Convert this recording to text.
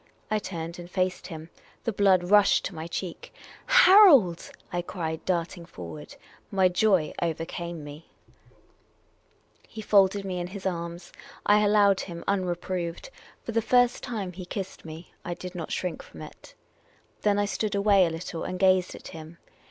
I turned and faced him. The l)lood rushed to my cheek. " Harold !" I cried, darting forward. My joy overcame me. The Oriental Attendant 297 He folded me in his arms. I allowed him, unreproved. For the first time he kissed me. I did not shrink from it. Then I stood away a little and gazed at him.